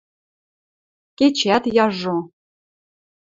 Кечӓт яжо.